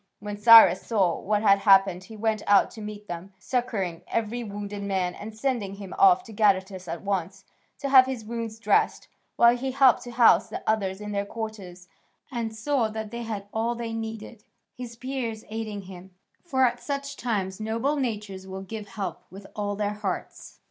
When Cyrus saw what had happened he went out to meet them, succouring every wounded man and sending him off to Gadatas at once, to have his wounds dressed, while he helped to house the others in their quarters, and saw that they had all they needed, his Peers aiding him, for at such times noble natures will give help with all their hearts.